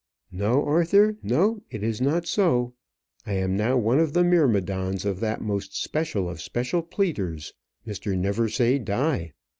"No, Arthur, no, it is not so; I am now one of the myrmidons of that most special of special pleaders, Mr. Neversaye Die.